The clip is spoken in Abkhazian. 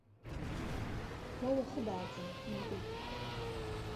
Уа уахыбааӡам, иутәуп.